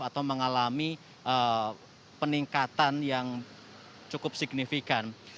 atau mengalami peningkatan yang cukup signifikan